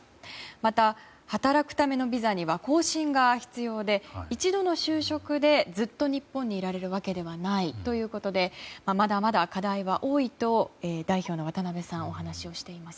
また、働くためのビザには更新が必要で一度の就職でずっと日本にいられるわけではないということでまだまだ課題は多いと代表の渡部さんはお話をしています。